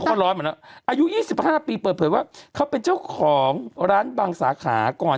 ก็ร้อนมาแล้วอายุ๒๕ปีเปิดเผยว่าเขาเป็นเจ้าของร้านบางสาขาก่อน